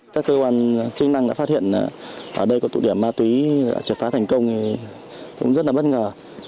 các cơ quan chức năng đã phát hiện ở đây có tụ điểm ma túy triệt phá thành công thì cũng rất là bất ngờ